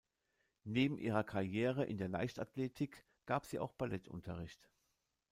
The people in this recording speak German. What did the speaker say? Neben ihrer Karriere in der Leichtathletik gab sie auch Ballettunterricht.